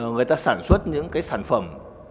người ta sản xuất những cái sản phẩm